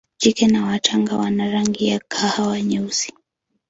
Jike na wachanga wana rangi ya kahawa nyeusi.